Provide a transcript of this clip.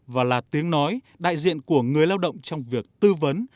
và là tiếng nói đại diện của người lao động trong việc tư vấn